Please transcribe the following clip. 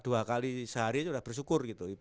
dua kali sehari itu udah bersyukur gitu